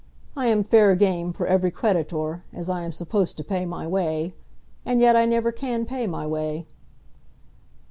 I am fair game for every creditor, as I am supposed to pay my way, and yet I never can pay my way."